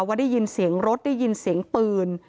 ว่าได้ยินเสียงรถได้ยินเสียงปืน